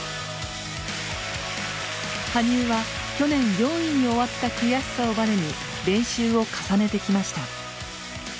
羽生は去年４位に終わった悔しさをバネに練習を重ねてきました。